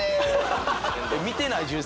見てない？